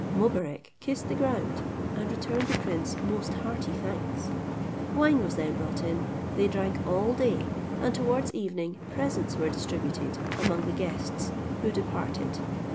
Mobarec kissed the ground, and returned the prince most hearty thanks. Wine was then brought in, they drank all day, and towards evening presents were distributed among the guests, who departed.